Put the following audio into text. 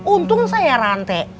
untung saya rantai